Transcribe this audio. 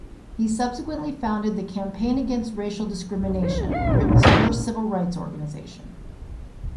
He subsequently founded the Campaign Against Racial Discrimination, Britain's first civil rights organization.